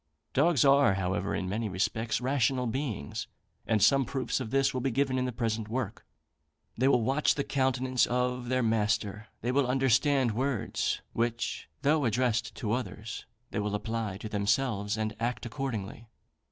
Dogs are, however, in many respects, rational beings; and some proofs of this will be given in the present work. They will watch the countenance of their master they will understand words, which, though addressed to others, they will apply to themselves, and act accordingly.